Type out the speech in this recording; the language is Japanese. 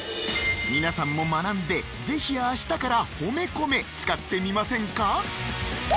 皆さんも学んでぜひ明日から褒めコメ使ってみませんか？